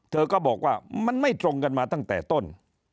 เธอก็บอกว่ามันไม่ตรงกันมาตั้งแต่ต้น